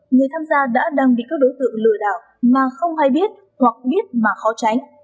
người tham gia đã đang bị các đối tượng lừa đảo mà không hay biết hoặc biết mà khó tránh